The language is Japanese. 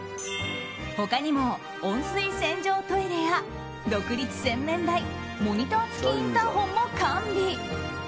他にも温水洗浄トイレや独立洗面台モニター付きインターホンも完備。